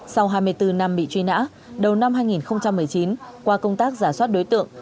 sau hai mươi bốn năm bị truy nã đầu năm hai nghìn một mươi chín qua công tác giả soát đối tượng